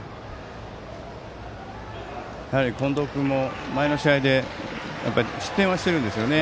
やはり、近藤君も前の試合失点はしてるんですよね。